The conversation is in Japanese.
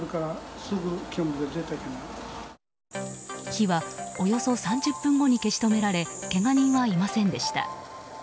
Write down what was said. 火はおよそ３０分後に消し止められけが人はいませんでした。